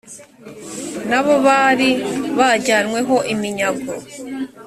nabo bari bajyanywe ho iminyago.